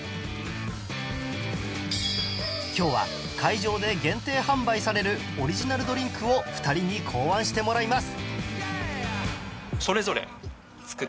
今日は会場で限定販売されるオリジナルドリンクを２人に考案してもらいます